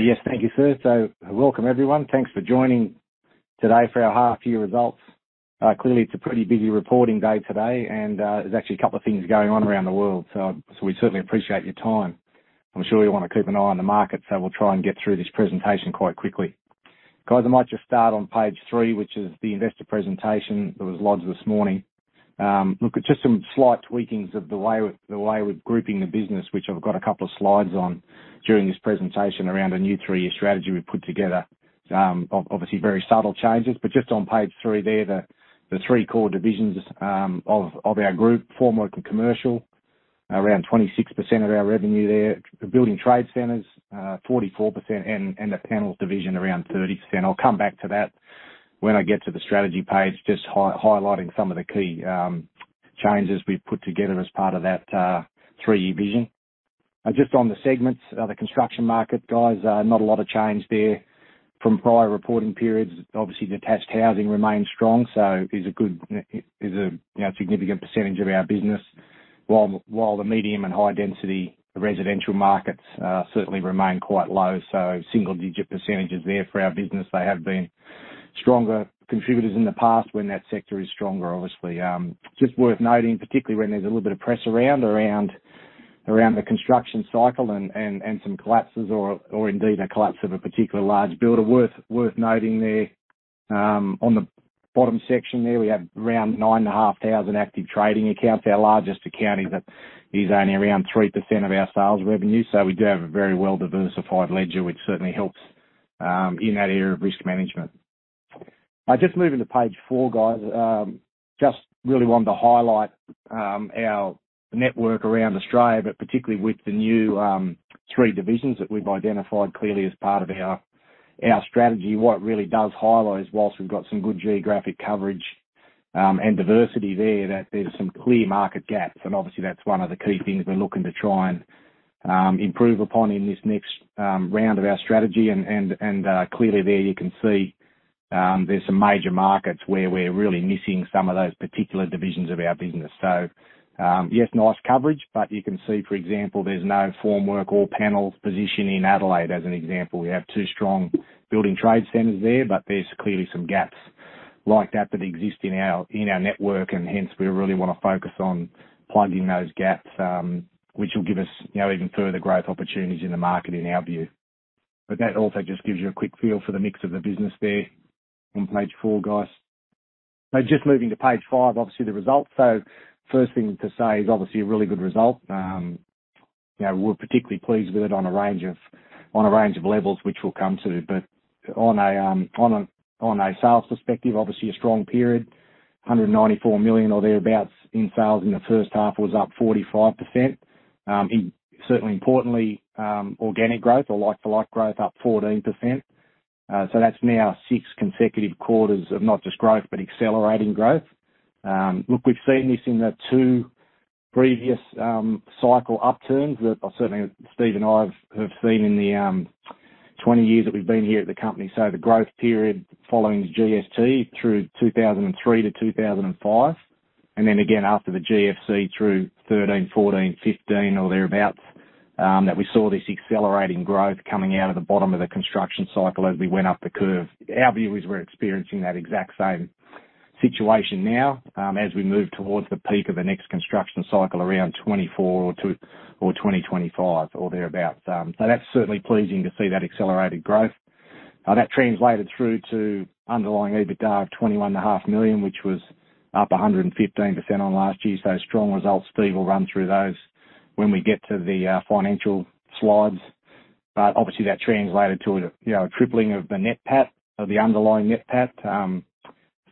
Yes, thank you, sir. Welcome, everyone. Thanks for joining today for our half year results. Clearly it's a pretty busy reporting day today, and there's actually a couple of things going on around the world, so we certainly appreciate your time. I'm sure you wanna keep an eye on the market, so we'll try and get through this presentation quite quickly. Guys, I might just start on page three, which is the investor presentation. There was lots this morning. Look, just some slight tweakings of the way we're grouping the business, which I've got a couple of slides on during this presentation around a new three-year strategy we've put together. Obviously very subtle changes, but just on page three there, the three core divisions of our group, Formwork and Commercial, around 26% of our revenue there. The Building Trade Centers, 44%, and the Panels division around 30%. I'll come back to that when I get to the strategy page, just highlighting some of the key changes we've put together as part of that three-year vision. Now just on the segments of the construction market, guys, not a lot of change there from prior reporting periods. Obviously detached housing remains strong, so is a you know, significant percentage of our business, while the medium and high density residential markets certainly remain quite low, so single-digit percentages there for our business. They have been stronger contributors in the past when that sector is stronger, obviously. Just worth noting, particularly when there's a little bit of press around the construction cycle and some collapses or indeed a collapse of a particular large builder worth noting there. On the bottom section there, we have around 9,500 active trading accounts. Our largest account that is only around 3% of our sales revenue. So we do have a very well-diversified ledger which certainly helps in that area of risk management. Just moving to page four, guys. Just really wanted to highlight our network around Australia, but particularly with the new three divisions that we've identified clearly as part of our strategy. What it really does highlight is while we've got some good geographic coverage, and diversity there, that there's some clear market gaps and obviously that's one of the key things we're looking to try and improve upon in this next round of our strategy. Clearly there you can see, there's some major markets where we're really missing some of those particular divisions of our business. Yes, nice coverage, but you can see, for example, there's no Formwork or panels position in Adelaide as an example. We have two strong building trade centers there, but there's clearly some gaps like that that exist in our network and hence we really wanna focus on plugging those gaps, which will give us, you know, even further growth opportunities in the market in our view. That also just gives you a quick feel for the mix of the business there on page four, guys. Just moving to page five, obviously the results. First thing to say is obviously a really good result. You know, we're particularly pleased with it on a range of levels, which we'll come to. On a sales perspective, obviously a strong period, 194 million or thereabouts in sales in the first half was up 45%. Certainly importantly, organic growth or like-for-like growth up 14%. That's now 6 consecutive quarters of not just growth, but accelerating growth. Look, we've seen this in the two previous cycle upturns that certainly Steve and I have seen in the 20 years that we've been here at the company. The growth period following the GST through 2003 to 2005, and then again after the GFC through 2013, 2014, 2015 or thereabouts, that we saw this accelerating growth coming out of the bottom of the construction cycle as we went up the curve. Our view is we're experiencing that exact same situation now, as we move towards the peak of the next construction cycle around 2024 or 2025 or thereabouts. That's certainly pleasing to see that accelerated growth. That translated through to underlying EBITDA of 21.5 million, which was up 115% on last year. Strong results. Steve will run through those when we get to the financial slides. But obviously that translated to a, you know, tripling of the NPAT, of the underlying NPAT.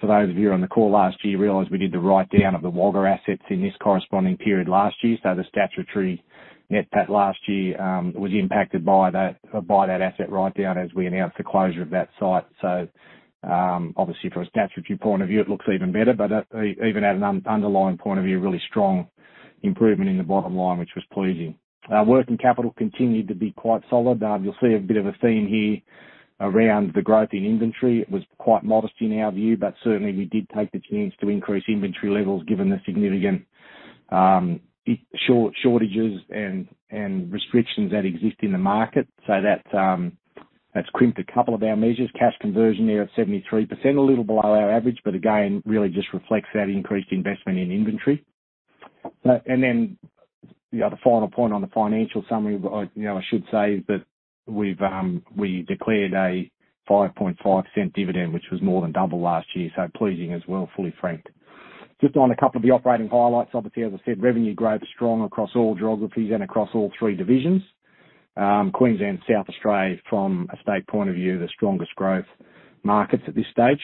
For those of you on the call, last year we realized we did the write-down of the Wagga assets in this corresponding period last year. The statutory net PAT last year was impacted by that, by that asset write-down as we announced the closure of that site. Obviously from a statutory point of view it looks even better. Even at an underlying point of view a really strong improvement in the bottom line, which was pleasing. Our working capital continued to be quite solid. You'll see a bit of a theme here around the growth in inventory. It was quite modest in our view, but certainly we did take the chance to increase inventory levels given the significant shortages and restrictions that exist in the market. That's crimped a couple of our measures. Cash conversion there at 73%, a little below our average. Again, really just reflects that increased investment in inventory. Then the other final point on the financial summary, you know, I should say that we declared an 0.055 dividend, which was more than double last year, so pleasing as well, fully franked. Just on a couple of the operating highlights, obviously, as I said, revenue growth strong across all geographies and across all three divisions. Queensland, South Australia from a state point of view, the strongest growth markets at this stage.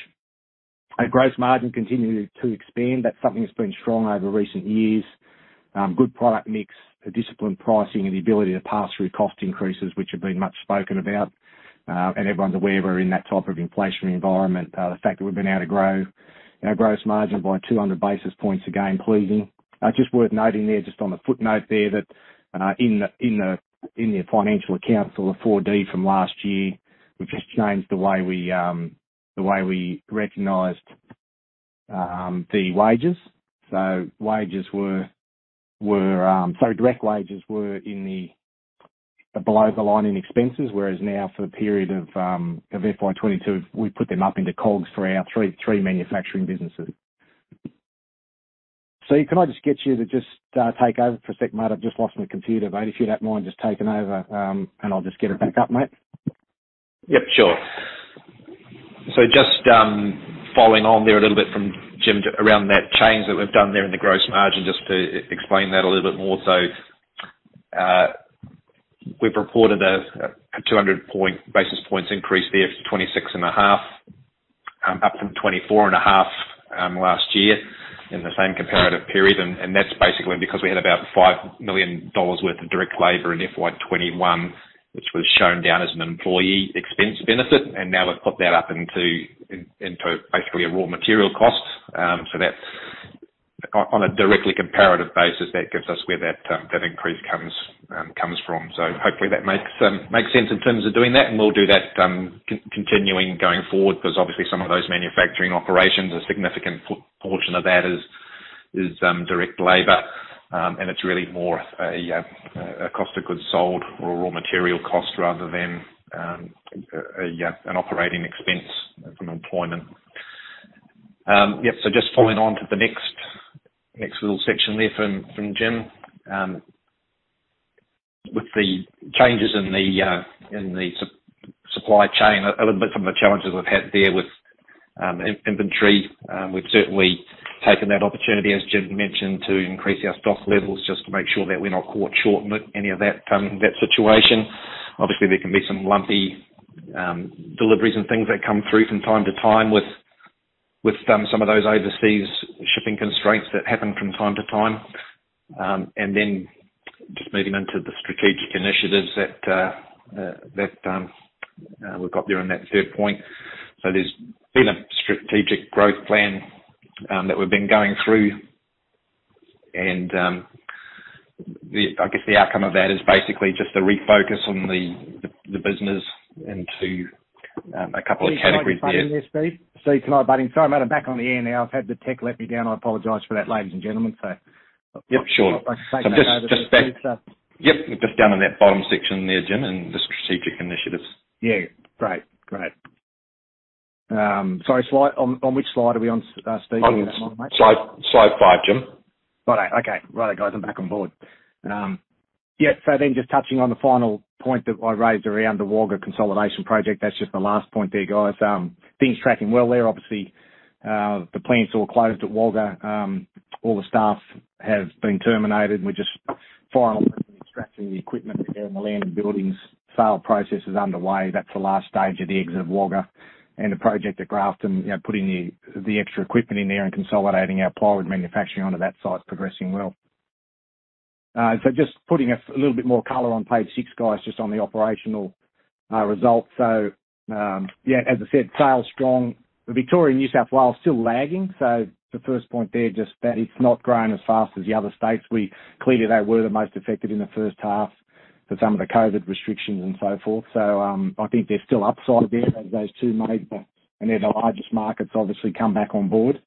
Our gross margin continued to expand. That's something that's been strong over recent years. Good product mix, a disciplined pricing and the ability to pass through cost increases, which have been much spoken about. Everyone's aware we're in that type of inflationary environment. The fact that we've been able to grow our gross margin by 200 basis points, again pleasing. Just worth noting there, just on a footnote there that, in the financial accounts or the Appendix 4D from last year, we've just changed the way we recognized the wages. So direct wages were in the below-the-line in expenses, whereas now for the period of FY 2022, we put them up into COGS for our three manufacturing businesses. Steve, can I just get you to take over for a sec, mate? I've just lost my computer, mate. If you don't mind just taking over, and I'll just get it back up, mate. Yep, sure. Just following on there a little bit from Jim around that change that we've done there in the gross margin, just to explain that a little bit more. We've reported a 200 basis point increase there to 26.5%, up from 24.5%, last year in the same comparative period. That's basically because we had about 5 million dollars worth of direct labor in FY 2021, which was shown down as an employee expense benefit. Now we've put that up into basically a raw material cost. That's on a directly comparative basis, that gives us where that increase comes from. Hopefully that makes sense in terms of doing that. We'll do that, continuing going forward, because obviously some of those manufacturing operations, a significant portion of that is direct labor. It's really more a cost of goods sold or a raw material cost rather than a an operating expense from employment. Yep. Just following on to the next little section there from Jim. With the changes in the supply chain, a little bit from the challenges we've had there with inventory. We've certainly taken that opportunity, as Jim mentioned, to increase our stock levels just to make sure that we're not caught short in any of that situation. Obviously, there can be some lumpy deliveries and things that come through from time to time with some of those overseas shipping constraints that happen from time to time. Just moving into the strategic initiatives that we've got there in that third point. There's been a strategic growth plan that we've been going through. I guess the outcome of that is basically just to refocus on the business into a couple of categories there. Steve, can I butt in there? Sorry about that. Back on the air now. I've had the tech let me down. I apologize for that, ladies and gentlemen. Sure. Yep, just down in that bottom section there, Jim, in the strategic initiatives. Yeah. Great. Sorry, on which slide are we on, Steve? On slide five, Jim. Got it. Okay. Right, guys, I'm back on board. Yeah, so then just touching on the final point that I raised around the Wagga consolidation project. That's just the last point there, guys. Things tracking well there, obviously. The plant's all closed at Wagga. All the staff have been terminated. We're just extracting the equipment there and the land and buildings. Sale process is underway. That's the last stage of the exit of Wagga. The project at Grafton, you know, putting the extra equipment in there and consolidating our plywood manufacturing onto that site is progressing well. Just putting a little bit more color on page six, guys, just on the operational results. Yeah, as I said, sales strong. The Victoria and New South Wales still lagging. The first point there, just that it's not growing as fast as the other states. Clearly they were the most affected in the first half for some of the COVID restrictions and so forth. I think there's still upside there, and they're the largest markets, obviously come back on board.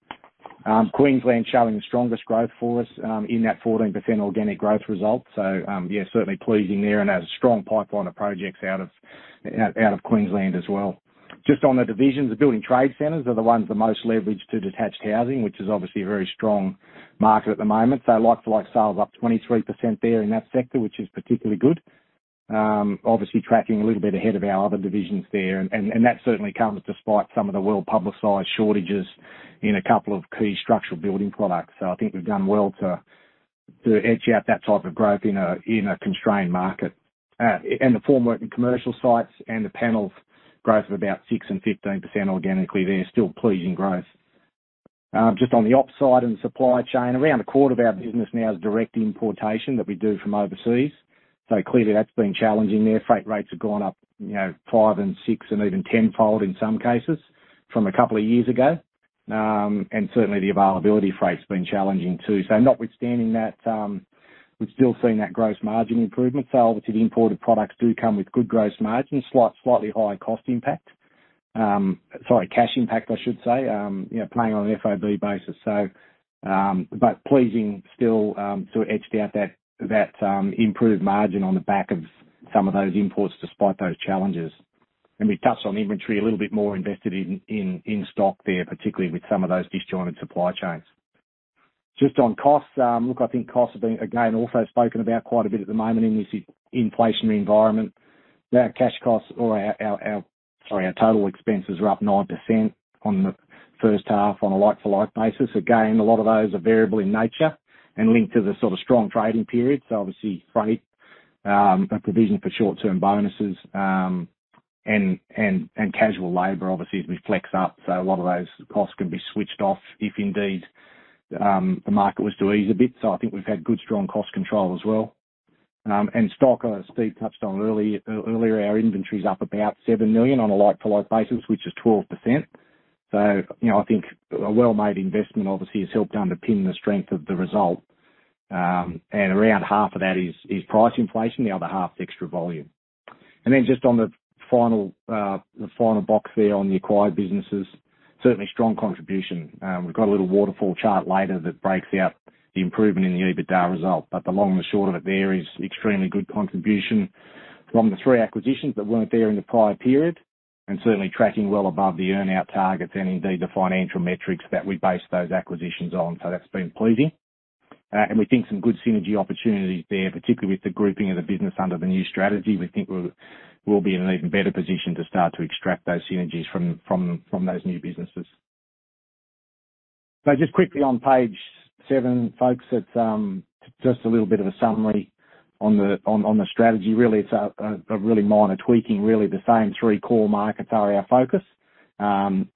Queensland showing the strongest growth for us, in that 14% organic growth result. Yeah, certainly pleasing there and a strong pipeline of projects out of Queensland as well. Just on the divisions, the building trade centers are the ones the most leveraged to detached housing, which is obviously a very strong market at the moment. Like to like sales up 23% there in that sector, which is particularly good. Obviously tracking a little bit ahead of our other divisions there. That certainly comes despite some of the well-publicized shortages in a couple of key structural building products. I think we've done well to edge out that type of growth in a constrained market. And the Formwork and Commercial sites and the panels growth of about 6% and 15% organically there, still pleasing growth. Just on the ops side and supply chain. Around a quarter of our business now is direct importation that we do from overseas. Clearly that's been challenging there. Freight rates have gone up, you know, five-, six-, and even tenfold in some cases from a couple of years ago. And certainly the availability of freight's been challenging too. Notwithstanding that, we've still seen that gross margin improvement. Obviously the imported products do come with good gross margin, slightly higher cost impact. Sorry, cash impact, I should say. You know, playing on an FOB basis. Pleasing still to have edged out that improved margin on the back of some of those imports despite those challenges. We touched on inventory a little bit more invested in stock there, particularly with some of those disjointed supply chains. Just on costs. Look, I think costs have been, again, also spoken about quite a bit at the moment in this inflationary environment. Our cash costs or our total expenses are up 9% on the first half on a like-for-like basis. Again, a lot of those are variable in nature and linked to the sort of strong trading period. Obviously freight, a provision for short-term bonuses, and casual labor obviously as we flex up. A lot of those costs can be switched off if indeed, the market was to ease a bit. I think we've had good strong cost control as well. Stock, as Steve touched on earlier, our inventory is up about 7 million on a like-for-like basis, which is 12%. You know, I think a well-made investment obviously has helped underpin the strength of the result. Around half of that is price inflation, the other half's extra volume. Then just on the final box there on the acquired businesses, certainly strong contribution. We've got a little waterfall chart later that breaks out the improvement in the EBITDA result. The long and short of it there is extremely good contribution from the three acquisitions that weren't there in the prior period, and certainly tracking well above the earn-out targets and indeed the financial metrics that we based those acquisitions on. That's been pleasing. We think some good synergy opportunities there, particularly with the grouping of the business under the new strategy. We think we'll be in an even better position to start to extract those synergies from those new businesses. Just quickly on page seven, folks, it's just a little bit of a summary on the strategy. Really, it's a really minor tweaking, really. The same three core markets are our focus.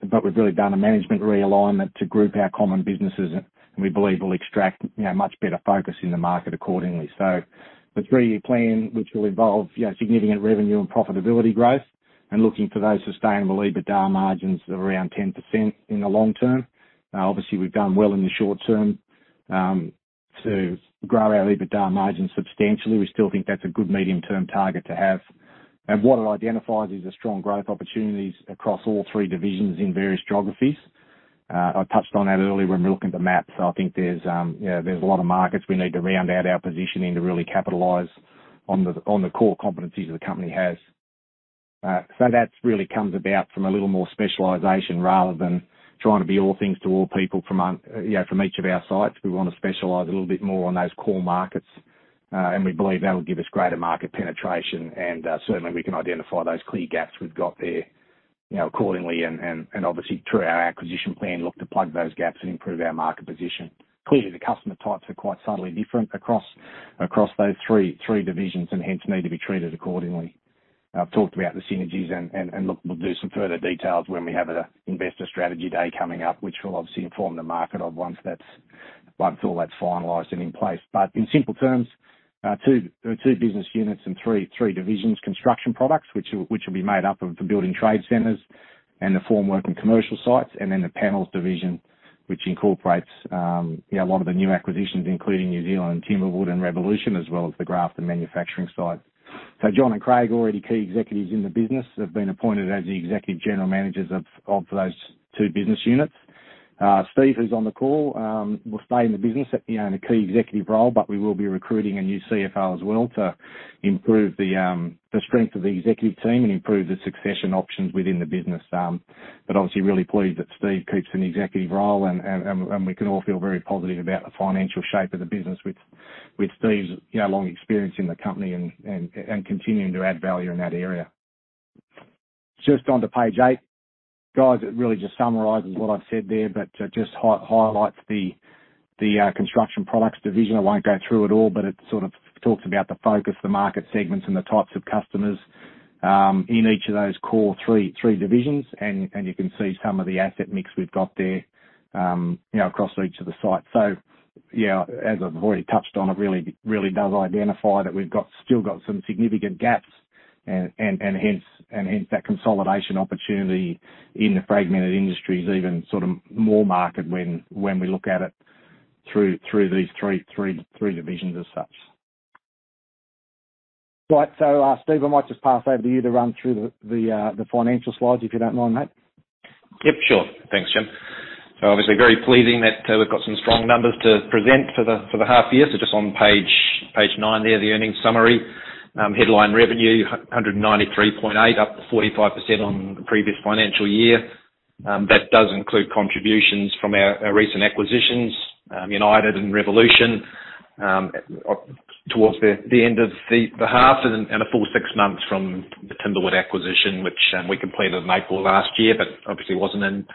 We've really done a management realignment to group our common businesses, and we believe we'll extract, you know, much better focus in the market accordingly. The three-year plan, which will involve, you know, significant revenue and profitability growth and looking for those sustainable EBITDA margins of around 10% in the long term. Obviously, we've done well in the short term to grow our EBITDA margins substantially. We still think that's a good medium-term target to have. What it identifies is the strong growth opportunities across all three divisions in various geographies. I touched on that earlier when we look at the maps. I think there's, you know, there's a lot of markets we need to round out our positioning to really capitalize on the, on the core competencies the company has. That really comes about from a little more specialization rather than trying to be all things to all people from, you know, from each of our sites. We wanna specialize a little bit more on those core markets, and we believe that will give us greater market penetration. Certainly, we can identify those clear gaps we've got there, you know, accordingly and obviously through our acquisition plan, look to plug those gaps and improve our market position. Clearly, the customer types are quite subtly different across those three divisions and hence need to be treated accordingly. I've talked about the synergies and look, we'll do some further details when we have the investor strategy day coming up, which we'll obviously inform the market of once all that's finalized and in place. In simple terms, two business units and three divisions. Construction products, which will be made up of the building trade centers and the Formwork and Commercial sites, and then the Panels division, which incorporates, you know, a lot of the new acquisitions, including New Zealand Timberwood and Revolution, as well as the craft and manufacturing side. John and Craig, already key executives in the business, have been appointed as the executive general managers of those two business units. Steve, who's on the call, will stay in the business, you know, in a key executive role, but we will be recruiting a new CFO as well to improve the strength of the executive team and improve the succession options within the business. Obviously really pleased that Steve keeps an executive role and we can all feel very positive about the financial shape of the business with Steve's, you know, long experience in the company and continuing to add value in that area. Just onto page eight. Guys, it really just summarizes what I've said there, but just highlights the construction products division. I won't go through it all, but it sort of talks about the focus, the market segments, and the types of customers in each of those core three divisions. You can see some of the asset mix we've got there, you know, across each of the sites. You know, as I've already touched on, it really, really does identify that we've still got some significant gaps and hence that consolidation opportunity in the fragmented industry is even sort of more marked when we look at it through these three divisions as such. Right. Steve, I might just pass over to you to run through the financial slides, if you don't mind, mate. Yep, sure. Thanks, Jim. Obviously very pleasing that we've got some strong numbers to present for the half year. Just on page nine there, the earnings summary. Headline revenue 193.8 million, up 45% on the previous financial year. That does include contributions from our recent acquisitions, United and Revolution, towards the end of the half and a full six months from the Timberwood acquisition, which we completed in April last year, but obviously wasn't in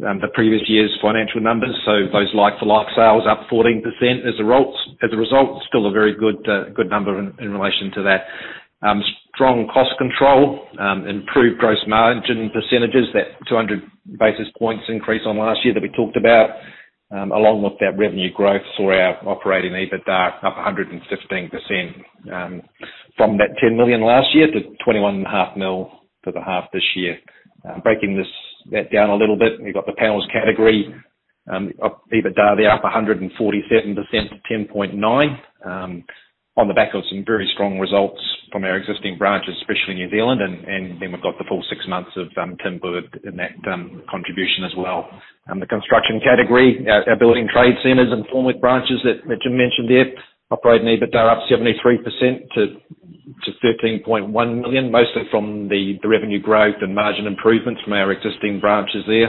the previous year's financial numbers. Those like-for-like sales up 14% as a result. Still a very good number in relation to that. Strong cost control, improved gross margin percentages, that 200 basis points increase on last year that we talked about. Along with that revenue growth saw our operating EBITDA up 115% from AUD 10 million last year to 21.5 million for the half this year. Breaking that down a little bit, we've got the panels category of EBITDA there up 147% to 10.9 million on the back of some very strong results from our existing branches, especially in New Zealand. Then we've got the full 6 months of Timberwood in that contribution as well. The construction category, our building trade centers and formwork branches that Jim mentioned there, operating EBITDA up 73% to 13.1 million, mostly from the revenue growth and margin improvements from our existing branches there.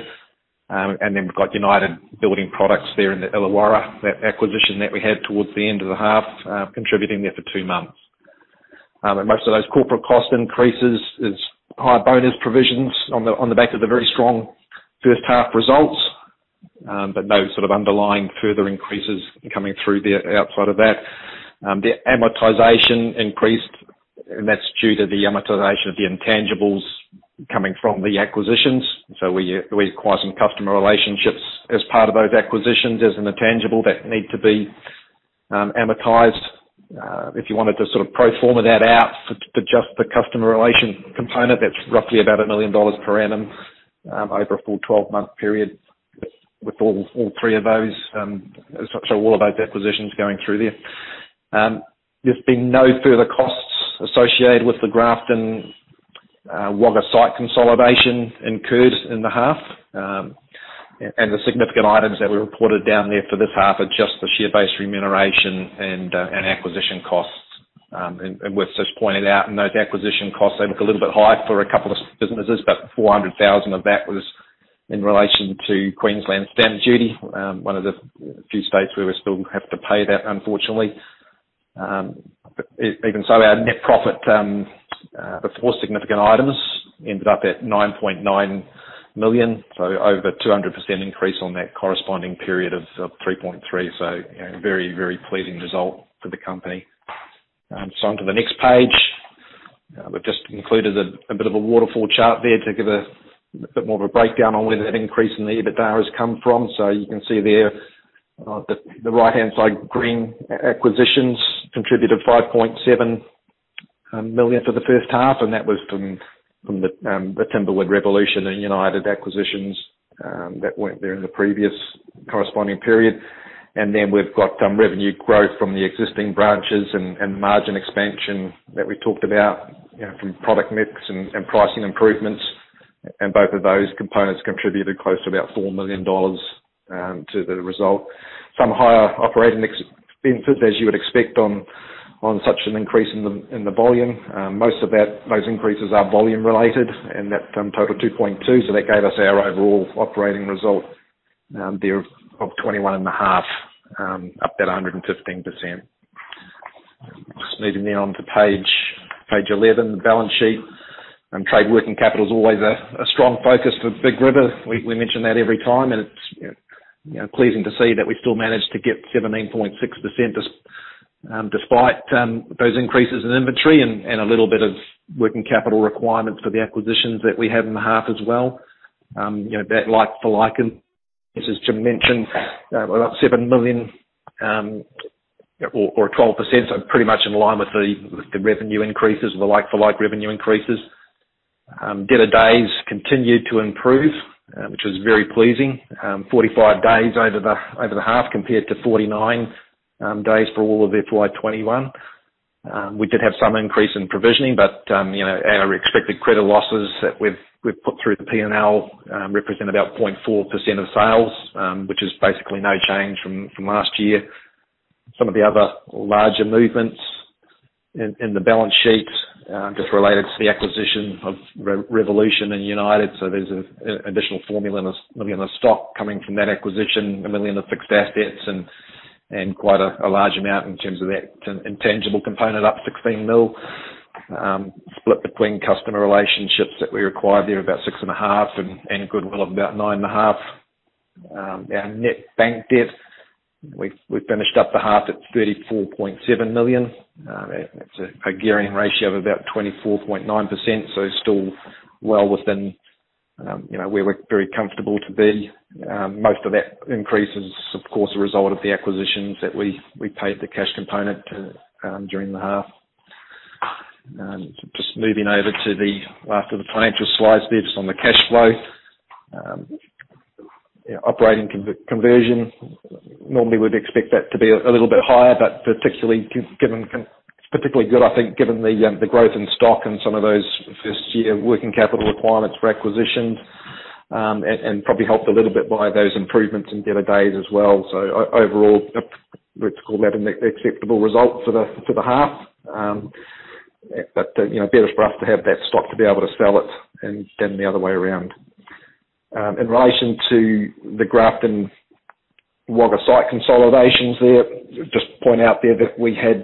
We've got United Building Products there in the Illawarra, that acquisition that we had towards the end of the half, contributing there for two months. Most of those corporate cost increases is high bonus provisions on the back of the very strong first half results. No sort of underlying further increases coming through outside of that. The amortization increased, and that's due to the amortization of the intangibles coming from the acquisitions. We acquire some customer relationships as part of those acquisitions as an intangible that need to be amortized. If you wanted to pro forma that out to just the customer relation component, that's roughly about 1 million dollars per annum over a full 12-month period. With all three of those, all of those acquisitions going through there. There's been no further costs associated with the Grafton, Wagga site consolidation incurred in the half. And the significant items that we reported down there for this half are just the share-based remuneration and acquisition costs. And we've just pointed out in those acquisition costs, they look a little bit high for a couple of businesses, but 400,000 of that was in relation to Queensland stamp duty, one of the few states where we still have to pay that, unfortunately. Even so, our net profit before significant items ended up at 9.9 million, so over 200% increase on that corresponding period of 3.3. You know, very, very pleasing result for the company. On to the next page. We've just included a bit of a waterfall chart there to give a bit more of a breakdown on where that increase in the EBITDA has come from. You can see there, the right-hand side, green acquisitions contributed 5.7 million for the first half, and that was from the Timberwood, Revolution, and United acquisitions that went there in the previous corresponding period. We've got some revenue growth from the existing branches and margin expansion that we talked about, you know, from product mix and pricing improvements. Both of those components contributed close to about 4 million dollars to the result. Some higher operating expenses, as you would expect on such an increase in the volume. Most of that, those increases are volume related, and that's total 2.2, so that gave us our overall operating result there of 21.5, up 115%. Just moving now on to page 11, the balance sheet. Trade working capital is always a strong focus for Big River. We mention that every time, and it's, you know, pleasing to see that we still managed to get 17.6% despite those increases in inventory and a little bit of working capital requirements for the acquisitions that we have in the half as well. You know, that like for like, as Jim mentioned, about 7 million or 12%, so pretty much in line with the revenue increases or the like for like revenue increases. Debtor days continued to improve, which is very pleasing. 45 days over the half compared to 49 days for all of FY 2021. We did have some increase in provisioning, but you know, our expected credit losses that we've put through the P&L represent about 0.4% of sales, which is basically no change from last year. Some of the other larger movements in the balance sheet just related to the acquisition of Revolution and United. There's an additional 1 million of stock coming from that acquisition, 1 million of fixed assets and quite a large amount in terms of that intangible component, up 16 million, split between customer relationships that we acquired there, about 6.5 million, and goodwill of about 9.5 million. Our net bank debt, we finished up the half at 34.7 million. That's a gearing ratio of about 24.9%, so still well within, you know, where we're very comfortable to be. Most of that increase is of course a result of the acquisitions that we paid the cash component during the half. Just moving over to the last of the financial slides there, just on the cash flow. Operating conversion, normally we'd expect that to be a little bit higher, but particularly good, I think, given the growth in stock and some of those first year working capital requirements for acquisitions, and probably helped a little bit by those improvements in debtor days as well. Overall, let's call that an acceptable result for the half. You know, better for us to have that stock to be able to sell it rather than the other way around. In relation to the Grafton Wagga site consolidations there, just point out there that we had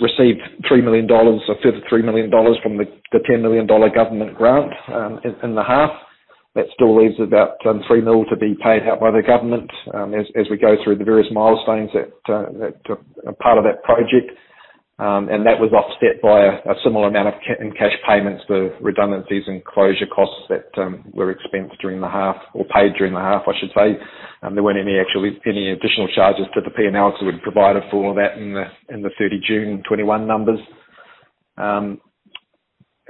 received 3 million dollars, a further 3 million dollars from the 10 million dollar government grant in the half. That still leaves about 3 million to be paid out by the government, as we go through the various milestones that are part of that project. That was offset by a similar amount in cash payments for redundancies and closure costs that were expensed during the half or paid during the half, I should say. There weren't actually any additional charges to the P&L, so we've provided for all that in the 30 June 2021 numbers.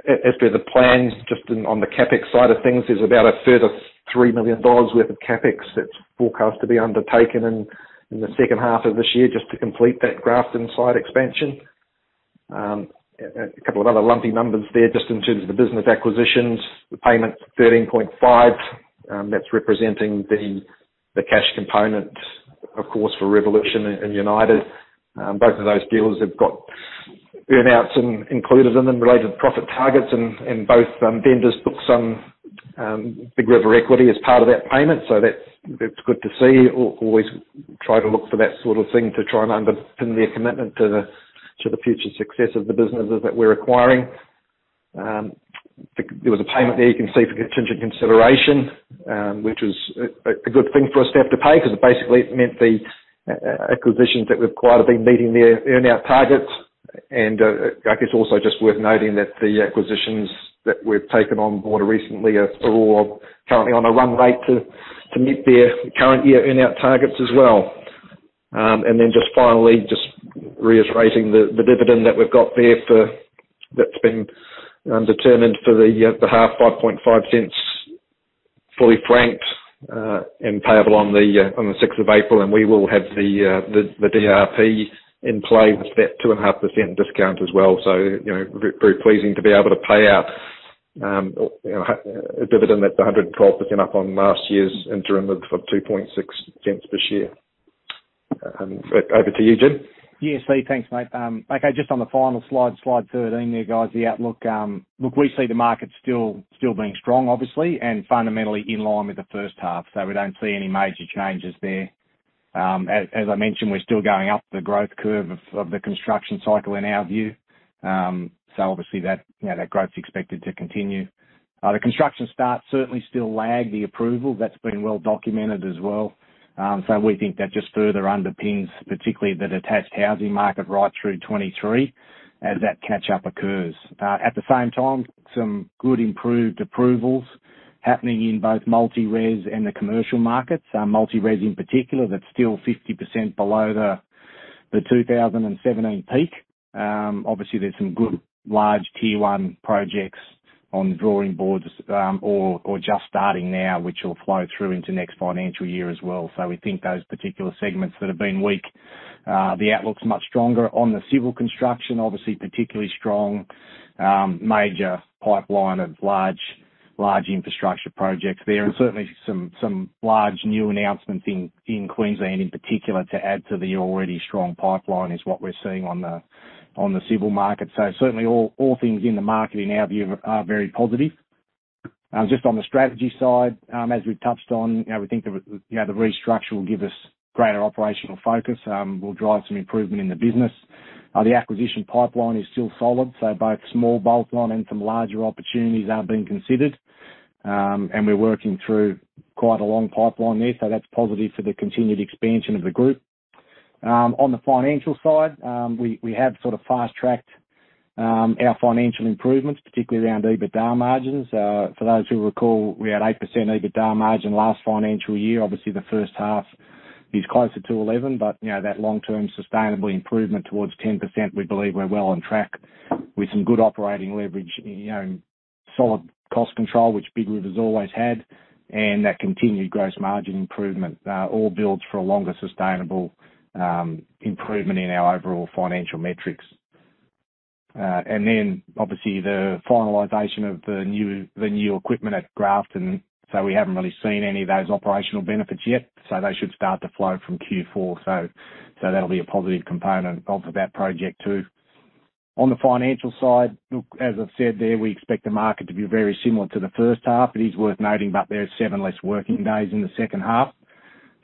As per the plans, just on the CapEx side of things, there's about a further 3 million dollars worth of CapEx that's forecast to be undertaken in the second half of this year just to complete that Grafton site expansion. A couple of other lumpy numbers there just in terms of the business acquisitions, the payment 13.5 million, that's representing the cash component, of course, for Revolution and United. Both of those deals have got earn outs included in them related to profit targets and both vendors book some Big River equity as part of that payment. That's good to see. Always try to look for that sort of thing to try and underpin their commitment to the future success of the businesses that we're acquiring. There was a payment there you can see for contingent consideration, which was a good thing for us to have to pay 'cause it basically meant the acquisitions that we've acquired have been meeting their earn out targets. I guess also just worth noting that the acquisitions that we've taken on board recently are all currently on a run rate to meet their current year earn out targets as well. Finally, reiterating the dividend that we've got there for the year that's been determined for the half 5.5, fully franked, and payable on the 6th of April. We will have the DRP in play with that 2.5% discount as well. You know, very pleasing to be able to pay out a dividend that's 112% up on last year's interim of 2.6 per share. Over to you, Jim. Yeah, Steve. Thanks, mate. Okay, just on the final slide 13 there, guys, the outlook. Look, we see the market still being strong, obviously, and fundamentally in line with the first half. We don't see any major changes there. As I mentioned, we're still going up the growth curve of the construction cycle in our view. Obviously that, you know, that growth's expected to continue. The construction starts certainly still lag the approval. That's been well documented as well. We think that just further underpins particularly the detached housing market right through 2023 as that catch-up occurs. At the same time, some good improved approvals happening in both multi-res and the commercial markets. Multi-res in particular, that's still 50% below the 2017 peak. Obviously there's some good large Tier one projects on drawing boards, just starting now, which will flow through into next financial year as well. We think those particular segments that have been weak, the outlook's much stronger. On the civil construction, obviously, particularly strong, major pipeline of large infrastructure projects there and certainly some large new announcements in Queensland in particular to add to the already strong pipeline is what we're seeing on the civil market. Certainly all things in the market in our view are very positive. Just on the strategy side, as we've touched on, you know, we think, you know, the restructure will give us greater operational focus, will drive some improvement in the business. The acquisition pipeline is still solid, so both small bolt-on and some larger opportunities are being considered. We're working through quite a long pipeline there, so that's positive for the continued expansion of the group. On the financial side, we have sort of fast-tracked our financial improvements, particularly around EBITDA margins. For those who recall, we had 8% EBITDA margin last financial year. Obviously, the first half is closer to 11%, but you know, that long-term sustainable improvement towards 10%, we believe we're well on track with some good operating leverage, you know, and solid cost control which Big River Industries' always had, and that continued gross margin improvement, all builds for a longer sustainable improvement in our overall financial metrics. Obviously the finalization of the new equipment at Grafton. We haven't really seen any of those operational benefits yet. They should start to flow from Q4. That'll be a positive component of that project too. On the financial side, look, as I've said there, we expect the market to be very similar to the first half. It is worth noting that there's seven less working days in the second half.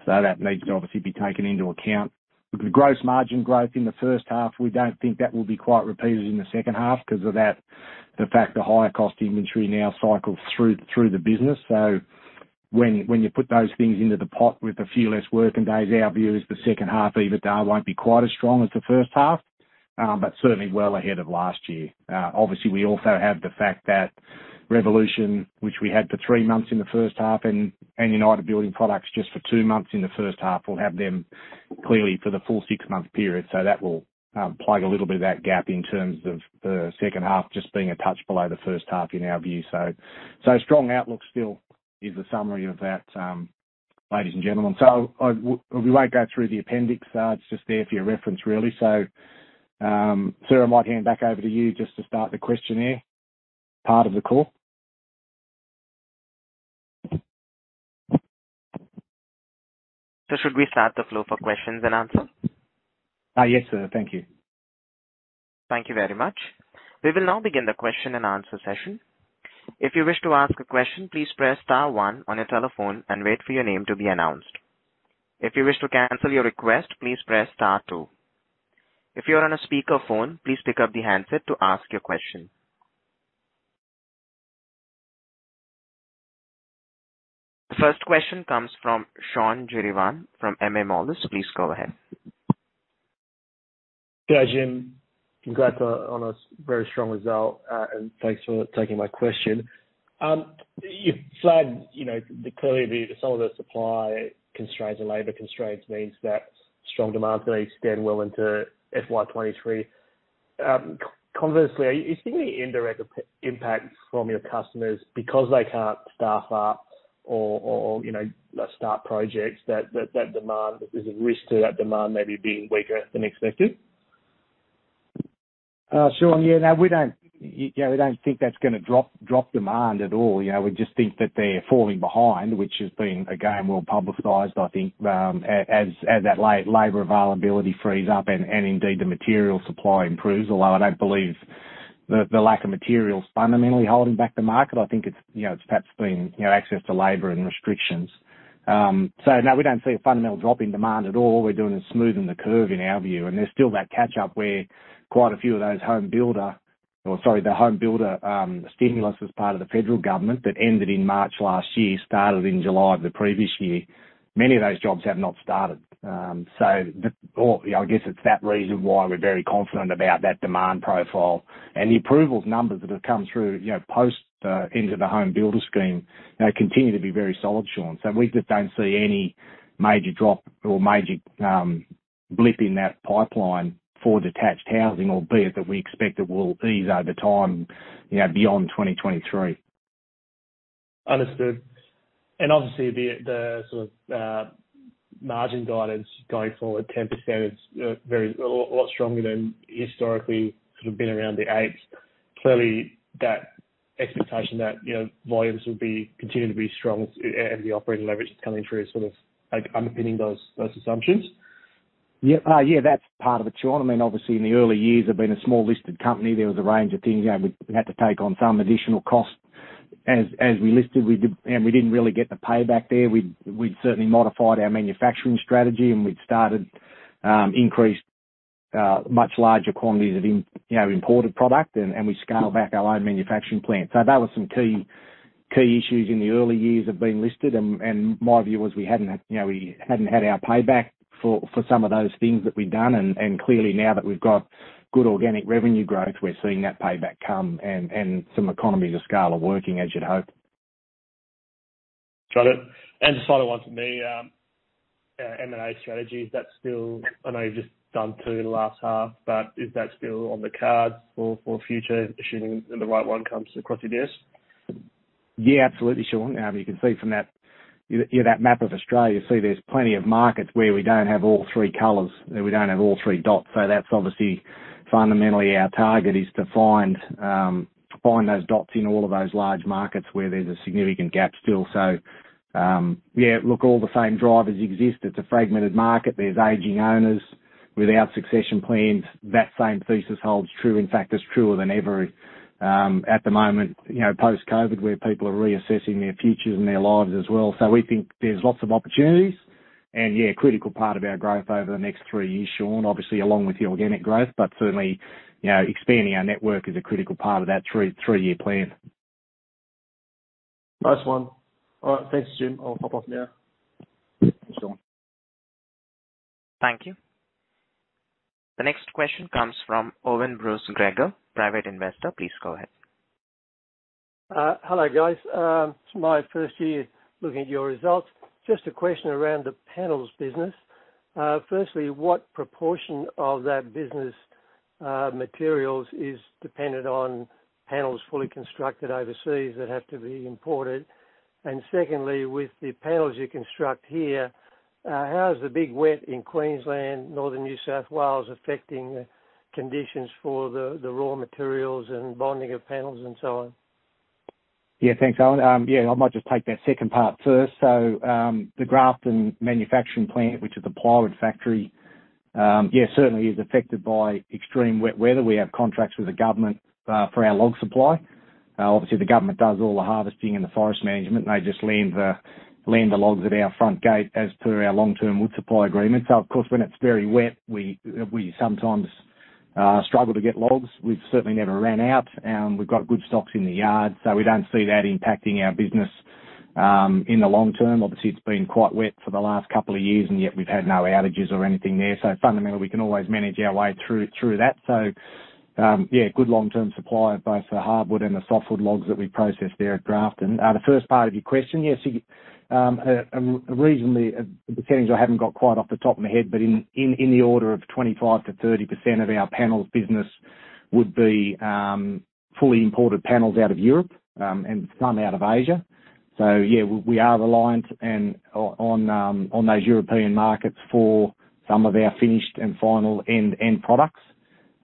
That needs to obviously be taken into account. With the gross margin growth in the first half, we don't think that will be quite repeated in the second half 'cause of that, the fact the higher cost inventory now cycles through the business. When you put those things into the pot with a few less working days, our view is the second half EBITDA won't be quite as strong as the first half, but certainly well ahead of last year. Obviously we also have the fact that Revolution, which we had for three months in the first half and United Building Products just for two months in the first half, we'll have them clearly for the full six-month period. That will plug a little bit of that gap in terms of the second half just being a touch below the first half in our view. Strong outlook still is the summary of that, ladies and gentlemen. I won't go through the appendix. It's just there for your reference really. Sir, I might hand it back over to you just to start the questionnaire part of the call. Should we open the floor for questions and answers? Yes, sir. Thank you. Thank you very much. We will now begin the question and answer session. If you wish to ask a question, please press star one on your telephone and wait for your name to be announced. If you wish to cancel your request, please press star two. If you are on a speakerphone, please pick up the handset to ask your question. The first question comes from Sean Kiriwan from MA Moelis. Please go ahead. Yeah, Jim. Congrats on a very strong result, and thanks for taking my question. You've flagged clearly some of the supply constraints and labor constraints means that strong demand may extend well into FY 2023. Conversely, are you seeing any indirect impact from your customers because they can't staff up or start projects that demand? There's a risk to that demand maybe being weaker than expected? Sean, no, we don't think that's gonna drop demand at all. You know, we just think that they're falling behind, which has been, again, well-publicized, I think, as that labor availability frees up and indeed the material supply improves. Although I don't believe the lack of materials fundamentally holding back the market. I think it's, you know, perhaps been, you know, access to labor and restrictions. No, we don't see a fundamental drop in demand at all. What we're doing is smoothing the curve in our view, and there's still that catch up where quite a few of those HomeBuilder stimulus as part of the federal government that ended in March last year, started in July of the previous year. Many of those jobs have not started. You know, I guess it's that reason why we're very confident about that demand profile and the approvals numbers that have come through, you know, post the end of the HomeBuilder scheme. They continue to be very solid, Sean. We just don't see any major drop or blip in that pipeline for detached housing, albeit that we expect it will ease over time, you know, beyond 2023. Understood. Obviously, the sort of margin guidance going forward 10% is very a lot stronger than historically sort of been around the 8%. Clearly that expectation that, you know, volumes would be continuing to be strong and the operating leverage that's coming through is sort of, like, underpinning those assumptions. That's part of it, Sean. I mean, obviously in the early years of being a small-listed company, there was a range of things. You know, we had to take on some additional costs. As we listed, we didn't really get the payback there. We'd certainly modified our manufacturing strategy and we'd increased much larger quantities of imported product and we scaled back our own manufacturing plant. That was some key issues in the early years of being listed and my view was we hadn't had our payback for some of those things that we'd done and clearly now that we've got good organic revenue growth, we're seeing that payback come and some economies of scale are working as you'd hope. Got it. The final one from me, M&A strategy. Is that still, I know you've just done two in the last half, but is that still on the cards for future assuming when the right one comes across your desk? Yeah, absolutely, Sean. You can see from that, you know, that map of Australia. See, there's plenty of markets where we don't have all three colors and we don't have all three dots. That's obviously fundamentally our target is to find those dots in all of those large markets where there's a significant gap still. Yeah, look, all the same drivers exist. It's a fragmented market. There's aging owners without succession plans. That same thesis holds true. In fact, it's truer than ever at the moment, you know, post-COVID, where people are reassessing their futures and their lives as well. We think there's lots of opportunities and yeah, a critical part of our growth over the next three years, Sean, obviously along with the organic growth, but certainly, you know, expanding our network is a critical part of that three-year plan. Nice one. All right. Thanks, Jim. I'll pop off now. Thanks, Sean. Thank you. The next question comes from Owen Bruce-Gregor, Private Investor. Please go ahead. Hello, guys. It's my first year looking at your results. Just a question around the panels business. Firstly, what proportion of that business materials is dependent on panels fully constructed overseas that have to be imported? Secondly, with the panels you construct here, how is the big wet in Queensland, northern New South Wales affecting conditions for the raw materials and bonding of panels and so on? Yeah, thanks, Owen. Yeah, I might just take that second part first. The Grafton manufacturing plant, which is the plywood factory, yeah, certainly is affected by extreme wet weather. We have contracts with the government for our log supply. Obviously, the government does all the harvesting and the forest management. They just land the logs at our front gate as per our long-term wood supply agreement. Of course, when it's very wet, we sometimes struggle to get logs. We've certainly never ran out. We've got good stocks in the yard, so we don't see that impacting our business in the long term. Obviously, it's been quite wet for the last couple of years, and yet we've had no outages or anything there. Fundamentally, we can always manage our way through that. Yeah, good long-term supply of both the hardwood and the softwood logs that we process there at Grafton. The first part of your question, yes. The percentage I haven't got quite off the top of my head, but in the order of 25%-30% of our panels business would be fully imported panels out of Europe, and some out of Asia. Yeah, we are reliant on those European markets for some of our finished and final end products.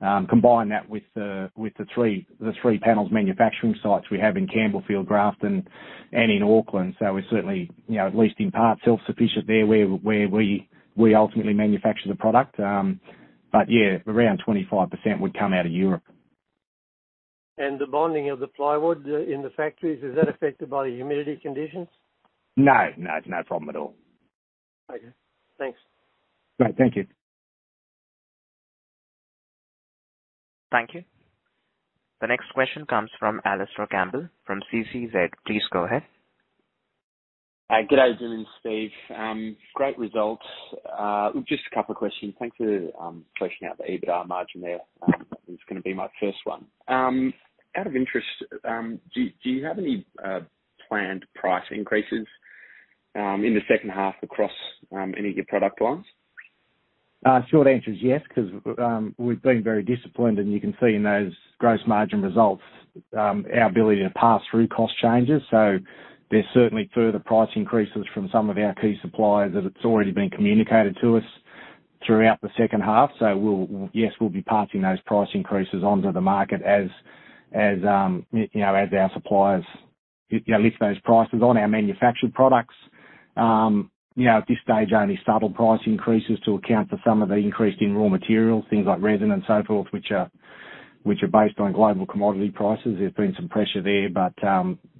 Combine that with the three panels manufacturing sites we have in Campbellfield, Grafton, and in Auckland. We're certainly, you know, at least in part, self-sufficient there where we ultimately manufacture the product. Yeah, around 25% would come out of Europe. The bonding of the plywood in the factories, is that affected by the humidity conditions? No, no, it's no problem at all. Okay. Thanks. Great. Thank you. Thank you. The next question comes from Alastair Campbell from CCZ. Please go ahead. Good day, Jim and Steve. Great results. Just a couple of questions. Thanks for fleshing out the EBITDA margin there. That was gonna be my first one. Out of interest, do you have any planned price increases in the second half across any of your product lines? Short answer is yes, 'cause we've been very disciplined, and you can see in those gross margin results, our ability to pass through cost changes. There's certainly further price increases from some of our key suppliers that it's already been communicated to us throughout the second half. Yes, we'll be passing those price increases onto the market as you know, as our suppliers, you know, lift those prices on our manufactured products. You know, at this stage, only subtle price increases to account for some of the increase in raw materials, things like resin and so forth, which are based on global commodity prices. There's been some pressure there, but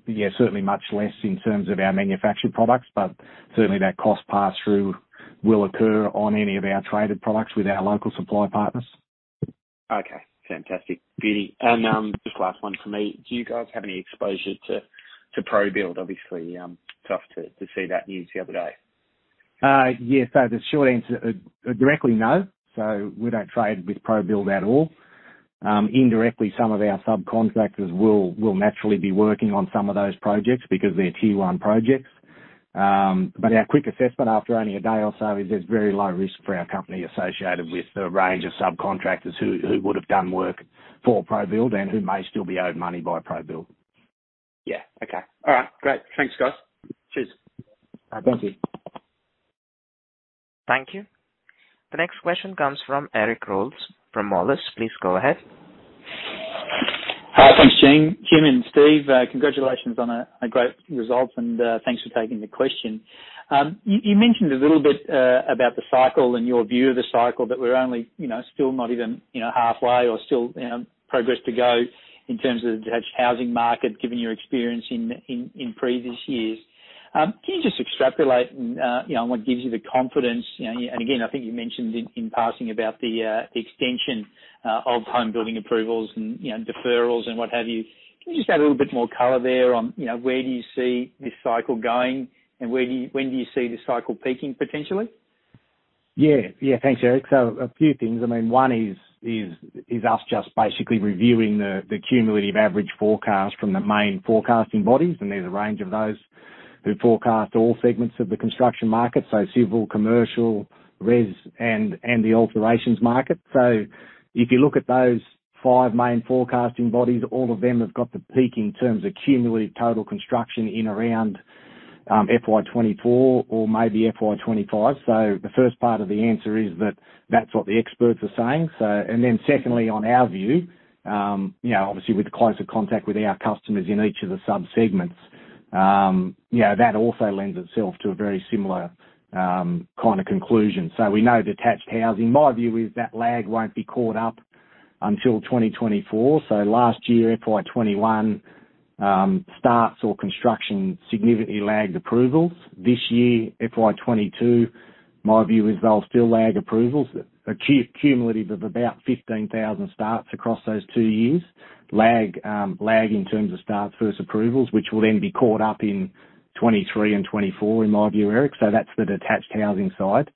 yeah, certainly much less in terms of our manufactured products. Certainly that cost pass-through will occur on any of our traded products with our local supply partners. Okay, fantastic. Beauty. Just last one for me. Do you guys have any exposure to Probuild? Obviously, tough to see that news the other day. The short answer, directly, no. We don't trade with Probuild at all. Indirectly, some of our subcontractors will naturally be working on some of those projects because they're Tier 1 projects. But our quick assessment after only a day or so is there's very low risk for our company associated with the range of subcontractors who would've done work for Probuild and who may still be owed money by Probuild. Yeah. Okay. All right. Great. Thanks, guys. Cheers. Thank you. Thank you. The next question comes from Eric Roles from Moelis. Please go ahead. Hi. Thanks, Jim. Jim and Steve, congratulations on a great result and thanks for taking the question. You mentioned a little bit about the cycle and your view of the cycle that we're only, you know, still not even, you know, halfway or still, you know, progress to go in terms of detached housing market given your experience in previous years. Can you just extrapolate and you know, what gives you the confidence, you know? Again, I think you mentioned in passing about the extension of home building approvals and, you know, deferrals and what have you. Can you just add a little bit more color there on, you know, where do you see this cycle going and when do you see this cycle peaking potentially? Yeah. Yeah. Thanks, Eric. A few things. I mean, one is us just basically reviewing the cumulative average forecast from the main forecasting bodies, and there's a range of those who forecast all segments of the construction market, so civil, commercial, res, and the alterations market. If you look at those five main forecasting bodies, all of them have got the peak in terms of cumulative total construction in around FY 2024 or maybe FY 2025. The first part of the answer is that that's what the experts are saying. Secondly, on our view, you know, obviously with closer contact with our customers in each of the subsegments, you know, that also lends itself to a very similar kind of conclusion. We know detached housing. My view is that lag won't be caught up until 2024. Last year, FY 2021, starts or construction significantly lagged approvals. This year, FY 2022, my view is they'll still lag approvals, a cumulative of about 15,000 starts across those two years. Lag in terms of starts versus approvals, which will then be caught up in 2023 and 2024, in my view, Eric. That's the detached housing side.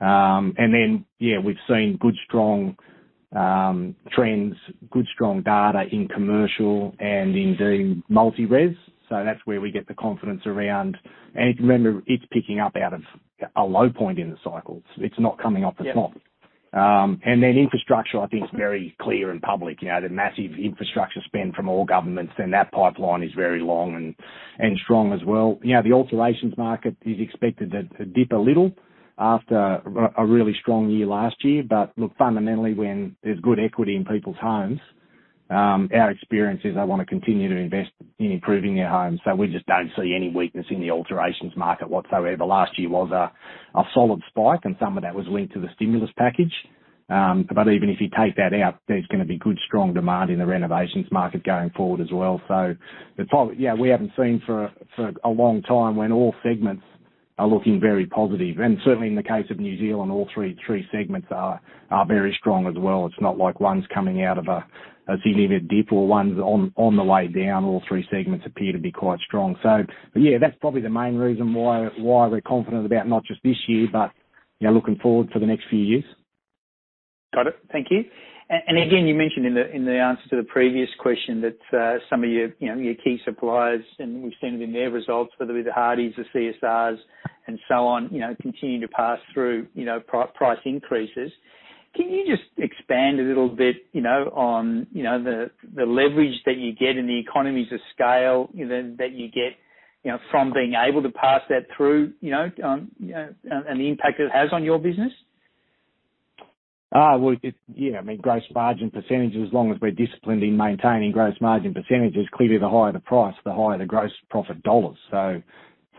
And then, yeah, we've seen good, strong trends, good, strong data in commercial and indeed multi-res. That's where we get the confidence around. Remember, it's picking up out of a low point in the cycle. It's not coming off its. Yeah. Infrastructure I think is very clear and public, you know, the massive infrastructure spend from all governments, and that pipeline is very long and strong as well. You know, the alterations market is expected to dip a little after a really strong year last year. Look, fundamentally, when there's good equity in people's homes, our experience is they wanna continue to invest in improving their homes. We just don't see any weakness in the alterations market whatsoever. Last year was a solid spike and some of that was linked to the stimulus package. Even if you take that out, there's gonna be good, strong demand in the renovations market going forward as well. We haven't seen for a long time when all segments are looking very positive. Certainly in the case of New Zealand, all three segments are very strong as well. It's not like one's coming out of a significant dip or one's on the way down. All three segments appear to be quite strong. Yeah, that's probably the main reason why we're confident about not just this year but, you know, looking forward for the next few years. Got it. Thank you. Again, you mentioned in the answer to the previous question that some of your key suppliers, and we've seen it in their results, whether it be James Hardie, CSR and so on, you know, continue to pass through price increases. Can you just expand a little bit, you know, on the leverage that you get and the economies of scale, you know, that you get, you know, from being able to pass that through, you know, and the impact it has on your business? Well, yeah, I mean, gross margin percentages, as long as we're disciplined in maintaining gross margin percentages, clearly the higher the price, the higher the gross profit dollars.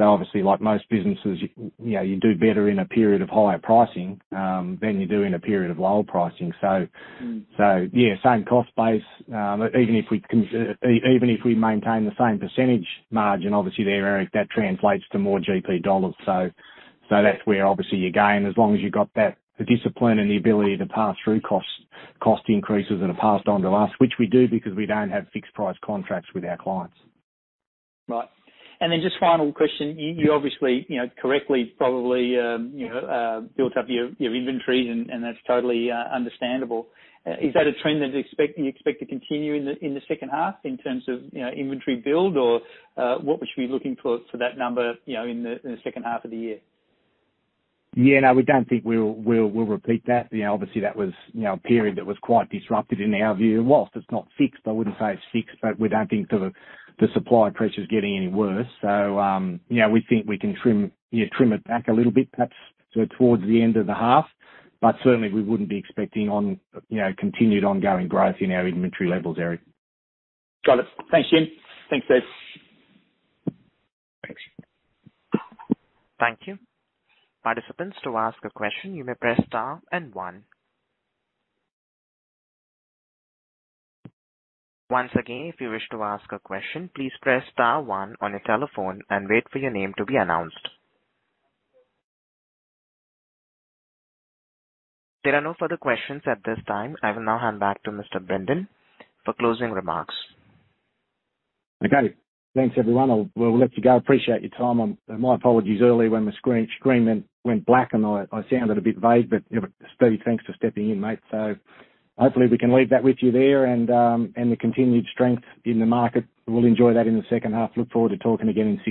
Obviously, like most businesses, you know, you do better in a period of higher pricing than you do in a period of lower pricing. Mm. Yeah, same cost base. Even if we maintain the same percentage margin, obviously there, Eric, that translates to more GP dollars. That's where obviously you gain, as long as you've got that discipline and the ability to pass through costs, cost increases that are passed on to us, which we do because we don't have fixed price contracts with our clients. Right. Just final question. You obviously, you know, correctly probably, you know, built up your inventory and that's totally understandable. Is that a trend that you expect to continue in the second half in terms of, you know, inventory build or what we should be looking for for that number, you know, in the second half of the year? Yeah, no, we don't think we'll repeat that. You know, obviously that was a period that was quite disrupted in our view. Whilst it's not fixed, I wouldn't say it's fixed, but we don't think the supply pressure is getting any worse. You know, we think we can trim it back a little bit, perhaps towards the end of the half. But certainly we wouldn't be expecting continued ongoing growth in our inventory levels, Eric. Got it. Thanks, Jim. Thanks, Steve. Thanks. Thank you. Participants, to ask a question, you may press star and one. Once again, if you wish to ask a question, please press star one on your telephone and wait for your name to be announced. There are no further questions at this time. I will now hand back to Jim Bindon for closing remarks. Okay. Thanks, everyone. We'll let you go. Appreciate your time. My apologies earlier when the screen went black and I sounded a bit vague, but you know, Steve, thanks for stepping in, mate. Hopefully we can leave that with you there and the continued strength in the market. We'll enjoy that in the second half. Look forward to talking again soon.